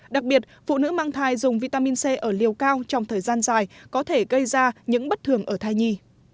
đặc biệt phụ nữ mang thai dùng vitamin c ở liều cao trong thời gian dài có thể gây ra những bất thường ở thai nhi